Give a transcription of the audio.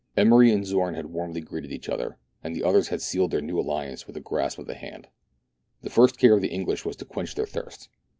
Emery and Zorn had warmly greeted each other, and the others had sealed their new alliance with a grasp of the hand. The first care of the English was to quench their thirst.